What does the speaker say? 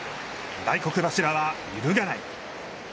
大黒柱は揺るがない。